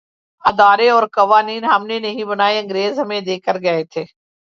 ادارے اورقوانین ہم نے نہیں بنائے‘ انگریز ہمیں دے کے گئے تھے۔